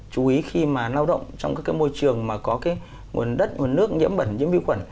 chú ý khi mà lao động trong các cái môi trường mà có cái nguồn đất nguồn nước nhiễm bẩn nhiễm vi khuẩn